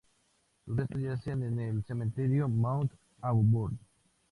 Sus restos yacen en el "Cementerio Mount Auburn".